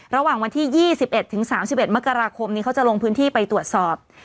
ระหว่างวันที่๒๑ถึง๓๑มกราคมนี้เขาจะลงพื้นที่ไปตรวจสอบ